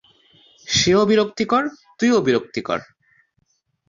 সে ও বিরক্তিকর, তুই ও বিরক্তিকর।